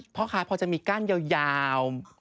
พ่อค้าพอจะมีก้านยาว